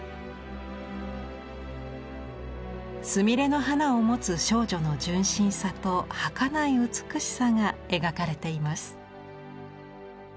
スミレの花を持つ少女の純真さとはかない美しさが描かれています。